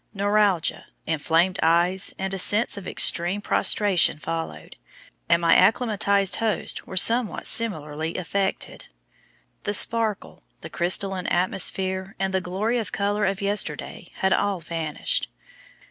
Neuralgia, inflamed eyes, and a sense of extreme prostration followed, and my acclimatized hosts were somewhat similarly affected. The sparkle, the crystalline atmosphere, and the glory of color of yesterday, had all vanished.